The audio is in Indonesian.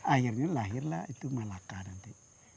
akhirnya lahirlah itu malaka nanti